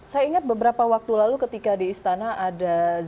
saya ingat beberapa waktu lalu ketika di istana ada